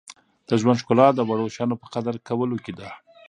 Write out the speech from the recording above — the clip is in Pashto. • د ژوند ښکلا د وړو شیانو په قدر کولو کې ده.